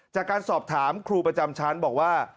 จากการสอบถามครูประจำชั้นบอกว่า